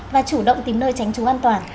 và chủ động tìm nơi tránh chú an toàn